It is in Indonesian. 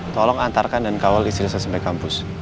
tolong antarkan dan kawal istri saya sampai kampus